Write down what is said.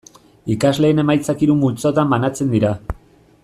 Ikasleen emaitzak hiru multzotan banatzen dira.